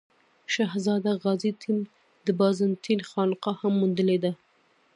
شهزاده غازي ټیم د بازنطین خانقا هم موندلې ده.